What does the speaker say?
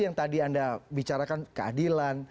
yang tadi anda bicarakan keadilan